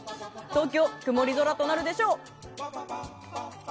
東京、曇り空となるでしょう。